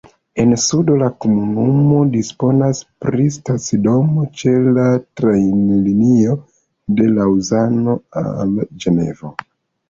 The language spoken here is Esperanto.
En sudo la komunumo disponas pri stacidomo ĉe la trajnlinio de Laŭzano al Ĝenevo.